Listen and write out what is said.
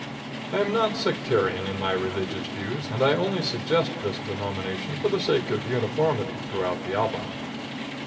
I am not sectarian in my religious views, and I only suggest this denomination for the sake of uniformity throughout the album.